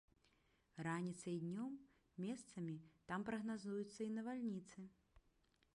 Раніцай і днём месцамі там прагназуюцца і навальніцы.